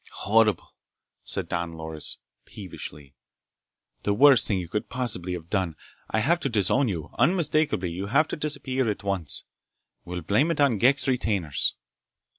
"Horrible!" said Don Loris peevishly. "The worst thing you could possibly have done! I have to disown you. Unmistakably! You'll have to disappear at once. We'll blame it on Ghek's retainers."